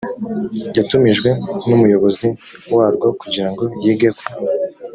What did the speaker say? yatumijwe n umuyobozi warwo kugirango yige ku